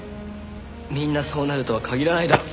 みんなそうなるとは限らないだろ。